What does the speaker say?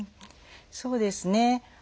そうですね。